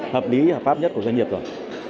hợp lý hợp pháp nhất của doanh nghiệp rồi